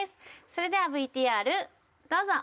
それではＶＴＲどうぞ！